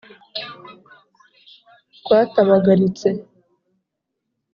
Twatabagalitse